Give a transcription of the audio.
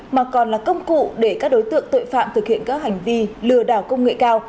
mà còn là công cụ để các đối tượng tội phạm thực hiện các hành vi lừa đảo công nghệ cao